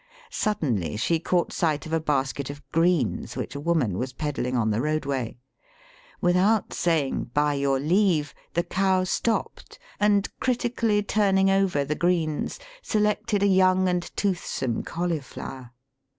Sud denly she caught sight of a basket of greens which a woman was peddling on the roadway. Without saying ''By your leave," the cow stopped, and, critically turning over the greens, selected a young and toothsome cauliflower.